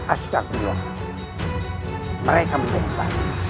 astagfirullah mereka menderita